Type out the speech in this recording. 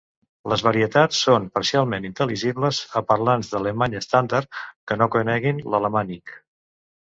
Les varietats són parcialment intel·ligibles a parlants d'alemany estàndard que no coneguin l'alamànic.